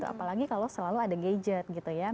apalagi kalau selalu ada gadget gitu ya